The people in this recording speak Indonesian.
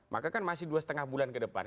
maka kan masih dua lima bulan ke depan